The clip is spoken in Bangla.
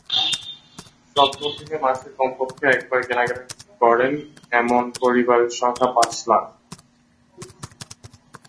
স্বপ্ন থেকে মাসে কমপক্ষে একবার কেনাকাটা করেন, এমন পরিবারের সংখ্যা পাঁচ লাখ।